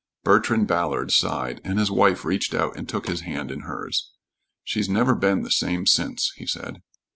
Bertrand Ballard sighed, and his wife reached out and took his hand in hers. "She's never been the same since," he said.